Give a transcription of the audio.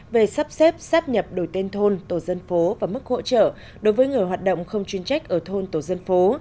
về sắp xếp sắp nhập đổi tên thôn tổ dân phố và mức hỗ trợ đối với người hoạt động không chuyên trách ở thôn tổ dân phố